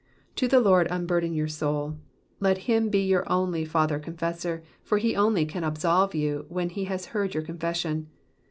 To the Lord unburden your soul ; let him be your only father confessor, for he only can absolve you when he has heard your confession.